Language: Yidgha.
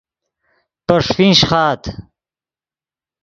پے ݰیفین شیخآت